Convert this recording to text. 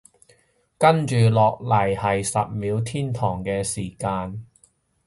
跟住落嚟係十秒天堂嘅時間！